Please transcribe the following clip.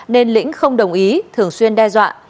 nên lĩnh không đồng ý thường xuyên đe dọa